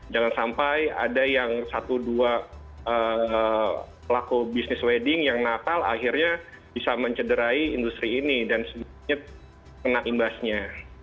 jangan sampai ada yang satu dua pelaku bisnis wedding yang nakal akhirnya bisa mencederai industri ini dan sebenarnya kena imbasnya